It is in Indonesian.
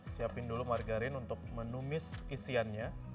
siapin dulu margarin untuk menumis isiannya